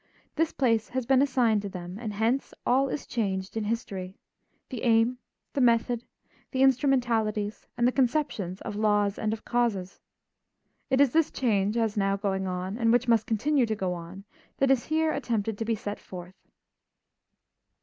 This place has been assigned to them, and hence all is changed in history the aim, the method, the instrumentalities, and the conceptions of laws and of causes. It is this change as now going on, and which must continue to go on, that is here attempted to be set forth.